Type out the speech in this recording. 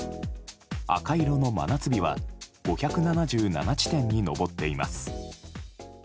赤色の真夏日は５７７地点に上っています。